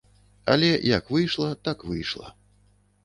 Але як выйшла, так выйшла.